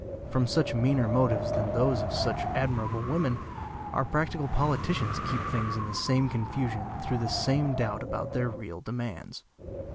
From much meaner motives than those of such admirable women, our practical politicians keep things in the same confusion through the same doubt about their real demands.